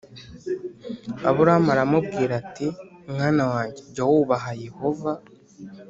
Aburahamu aramubwira ati mwana wanjye njya wubaha yehova